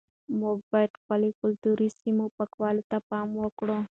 موږ باید د خپلو کلتوري سیمو پاکوالي ته پام وکړو.